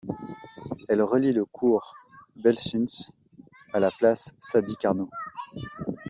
Elle relie le cours Belsunce à la place Sadi-Carnot.